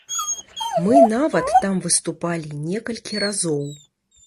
Мы нават там выступалі некалькі разоў.